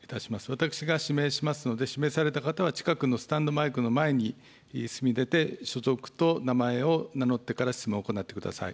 私が指名しますので、指名された方は、近くのスタンドマイクの前に進み出て、所属と名前を名乗ってから質問を行ってください。